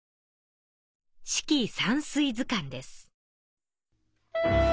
「四季山水図巻」です。